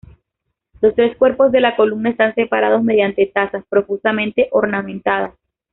Los tres cuerpos de la columna están separados mediante tazas, profusamente ornamentadas.